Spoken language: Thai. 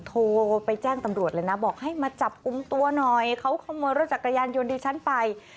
โทรไปแจ้งตำรวจเลยนะบอกให้มาจับกลุ่มตัวหน่อยเขาขโมยรถจักรยานยนต์ดิฉันไป